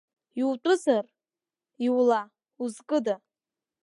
Иутәызар, иула, узкыда!